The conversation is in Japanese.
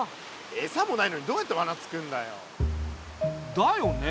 エサもないのにどうやってわなつくるんだよ。だよね。